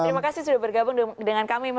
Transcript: terima kasih sudah bergabung dengan kami